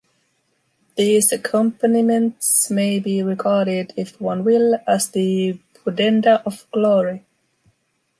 These accompaniments may be regarded if one will, as the pudenda of glory.